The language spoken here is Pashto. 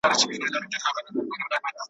کشپ ګوری چي اسمان ته پورته کیږي `